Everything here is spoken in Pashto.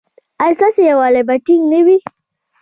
ایا ستاسو یووالي به ټینګ نه وي؟